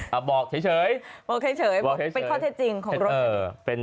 การบอกเฉยเฉยบอกเฉยเฉยเป็นข้อเทียดจริงของรถเออ